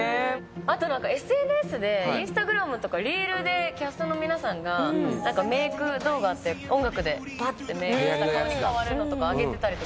あとＳＮＳでＩｎｓｔａｇｒａｍとかリールでキャストの皆さんがメーク動画っていうか音楽でぱってメークした顔に変わるのとか上げてたりして。